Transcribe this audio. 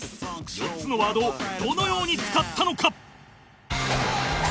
４つのワードをどのように使ったのか？